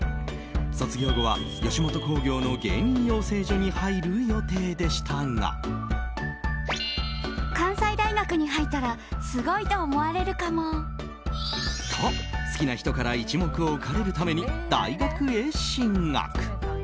卒業後は吉本興業の芸人養成所に入る予定でしたが。と、好きな人から一目置かれるために大学へ進学。